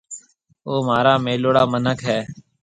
اَي مهارا ميلوڙا مِنک هيَ۔